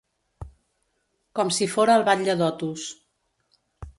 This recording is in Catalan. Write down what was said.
Com si fora el batlle d'Otos.